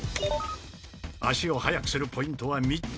足を速くするポイントは３つ。